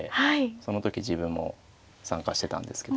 その時自分も参加してたんですけどね。